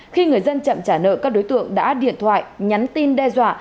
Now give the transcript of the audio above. khi người dân chậm trả nợ các đối tượng đã điện thoại nhắn tin đe dọa